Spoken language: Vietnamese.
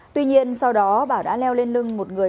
tuy nhiên sau đó bảo đã leo lên lưng một người